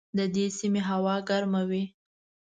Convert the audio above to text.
د دې سیمې هوا ګرمه وي.